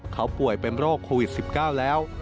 เขาป่วยเป็นโรคโควิด๑๙แล้ว